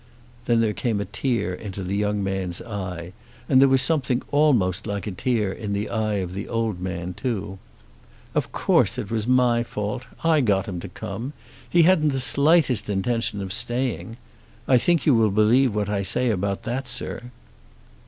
Then there came a tear into the young man's eye, and there was something almost like a tear in the eye of the old man too. "Of course it was my fault. I got him to come. He hadn't the slightest intention of staying. I think you will believe what I say about that, sir."